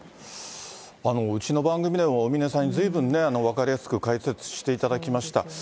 うちの番組でも大峯さんに、ずいぶん、分かりやすく解説していただきました。